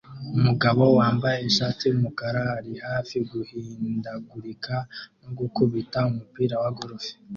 Umugabo wambaye ishati yumukara ari hafi guhindagurika no gukubita umupira wa golf